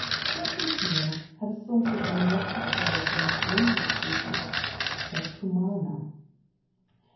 Poor Conseil had assaulted an electric ray of the most dangerous species, the cumana.